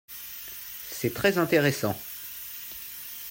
C’est très intéressant.